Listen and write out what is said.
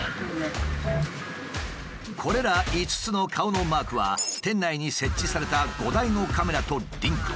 これら５つの顔のマークは店内に設置された５台のカメラとリンク。